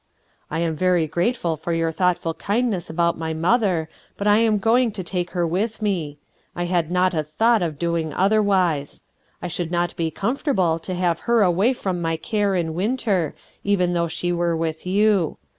"I am very grateful for your thoughtful kindness about my mother, but I am going to take her with me ; I had not a thought of doing otherwise. I should not be comfortable to have her away from my care in winter, even though she were with you.